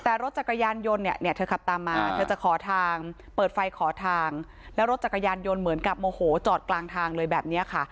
แต่รถจักรยานยนต์เนี่ยเธอขับตามมาเธอจะขอทางเปิดไฟขอทางแล้วรถจักรยานยนต์เหมือนกับโมโหจอดกลางทางเลยแบบนี้ค่ะ